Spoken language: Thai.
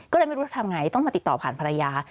ก็เลยไม่รู้จะทำไงต้องมาติดต่อผ่านภรรยา